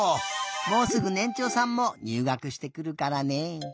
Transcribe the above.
もうすぐねんちょうさんもにゅうがくしてくるからね。